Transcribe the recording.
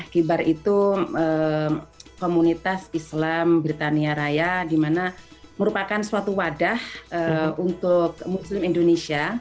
kibar itu komunitas islam britania raya di mana merupakan suatu wadah untuk muslim indonesia